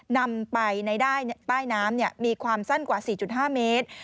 นำไปใต้น้ำมีความสั้นกว่า๔๕เมตร